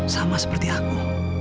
sama seperti aku